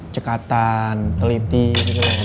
cekatan teliti gitu